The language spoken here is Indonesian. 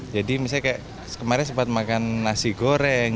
jadi misalnya seperti kemarin sempat makan nasi goreng dari bakminya